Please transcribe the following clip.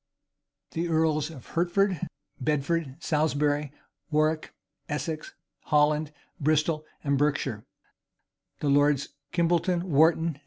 The earls of Hertford, Bedford, Salisbury, Warwick, Essex, Holland, Bristol, and Berkshire, the lords Kimbolton, Wharton.